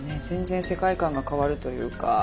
全然世界観が変わるというか。